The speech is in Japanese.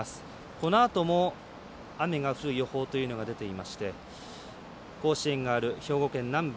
このあとも雨が降る予報が出ていまして甲子園がある兵庫県南部